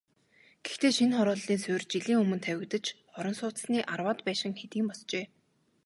Гэхдээ шинэ хорооллын суурь жилийн өмнө тавигдаж, орон сууцны арваад байшин хэдийн босжээ.